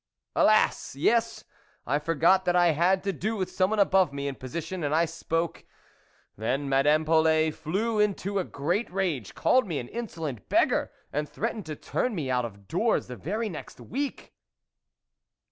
" Alas ! yes ; I forgot that I had to do with someone above me in position, and I spoke. Then Madame Polet flew into a great rage ; called me an insolent beggar, and threatened to turn me out of doors the very next week."